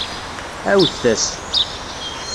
Ɛawdet-as!